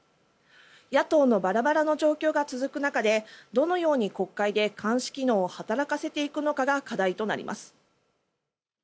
野党のバラバラの状況が続く中でどのように国会で監視機能を働かせていくのかが課題となります。